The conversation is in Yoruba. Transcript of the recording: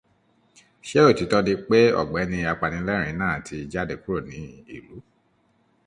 Ṣé òtítọ́ ni pé ọ̀gbẹ́ni apanilẹ́rìín náà ti jáde kúrò ní ìlú?